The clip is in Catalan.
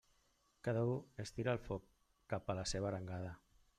Cada u es tira el foc cap a la seva arengada.